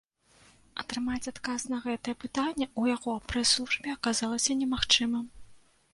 Атрымаць адказ на гэтае пытанне ў яго прэс-службе аказалася немагчымым.